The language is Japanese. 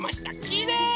きれい！